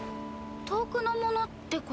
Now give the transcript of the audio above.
遠くのものってこと？